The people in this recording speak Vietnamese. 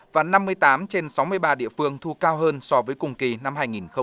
tăng cao hơn so với cùng kỳ năm hai nghìn một mươi sáu